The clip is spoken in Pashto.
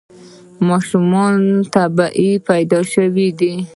ماشومان مو طبیعي پیدا شوي دي؟